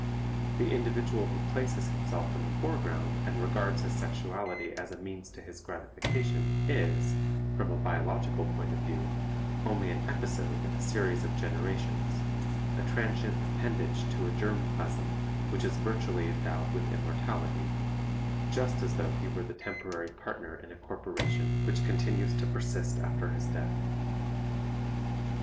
The individual who places himself in the foreground and regards his sexuality as a means to his gratification is, from a biological point of view, only an episode in a series of generations, a transient appendage to a germ plasm which is virtually endowed with immortality, just as though he were the temporary partner in a corporation which continues to persist after his death.